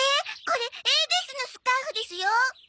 これエーデスのスカーフですよ？